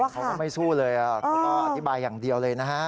เขาก็ไม่สู้เลยเขาก็อธิบายอย่างเดียวเลยนะฮะ